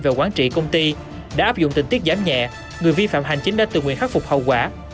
về quản trị công ty đã áp dụng tình tiết giảm nhẹ người vi phạm hành chính đã tự nguyện khắc phục hậu quả